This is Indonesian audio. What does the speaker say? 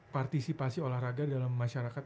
partisipasi olahraga dalam masyarakat